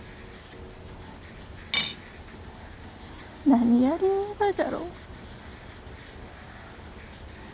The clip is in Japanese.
何やりゆうがじゃろう。